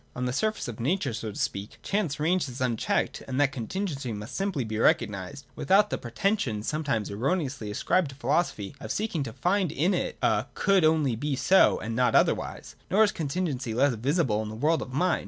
On the surface of Nature, so to speak, Chance ranges unchecked, and that contingency must simply be recognised, without the pre tension sometimes erroneously ascribed to philosophy, of seeking to fjnd in it a could only be so and not otherwise. Nor is contingency less visible in the world of Mind.